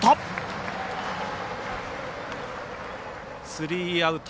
スリーアウト。